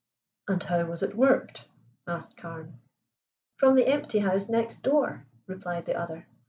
"And how was it worked?" asked Carne. "From the empty house next door," replied the other.